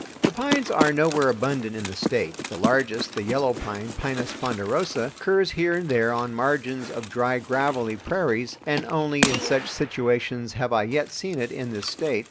The pines are nowhere abundant in the State. The largest, the yellow pine (Pinus ponderosa), occurs here and there on margins of dry gravelly prairies, and only in such situations have I yet seen it in this State.